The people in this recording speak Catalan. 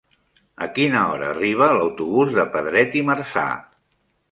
A quina hora arriba l'autobús de Pedret i Marzà?